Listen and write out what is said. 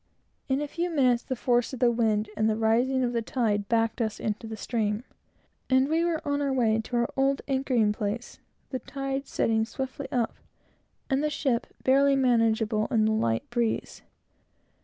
In a few minutes, the force of the wind and the rising of the tide backed us into the stream, and we were on our way to our old anchoring place, the tide setting swiftly up, and the ship barely manageable, in the light breeze.